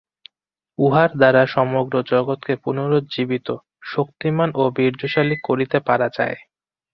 উহার দ্বারা সমগ্র জগৎকে পুনরুজ্জীবিত, শক্তিমান ও বীর্যশালী করিতে পারা যায়।